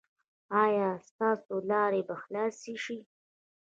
ایا ستاسو لارې به خلاصې شي؟